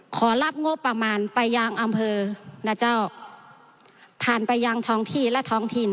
ขอรับงบประมาณไปยังอำเภอนะเจ้าผ่านไปยังท้องที่และท้องถิ่น